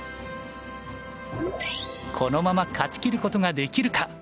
このまま勝ち切ることができるか？